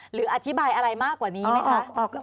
หรืออธิบายอะไรมากกว่านี้ไหมคะ